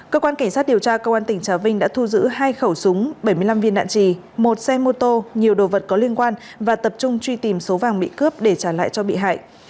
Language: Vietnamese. cơ quan cảnh sát điều tra công an tỉnh trà vinh đã thu giữ hai khẩu súng bảy mươi năm viên đạn trì một xe mô tô nhiều đồ vật có liên quan và tập trung truy tìm số vàng bị cướp để trả lại cho bị hại